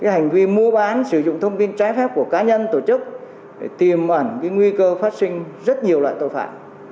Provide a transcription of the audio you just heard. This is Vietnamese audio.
hành vi mua bán sử dụng thông tin trái phép của cá nhân tổ chức tìm ẩn nguy cơ phát sinh rất nhiều loại tội phạm